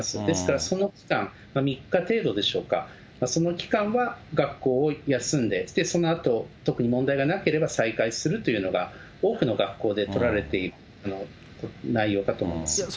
ですから、その期間、３日程度でしょうか、その期間は学校を休んで、そのあと、特に問題がなければ、再開するというのが多くの学校で取られている内容かと思います。